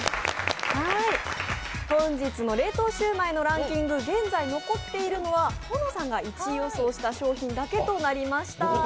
本日の冷凍シューマイのランキング、現在残っているのは保乃さんが１位予想した商品だけとなりました。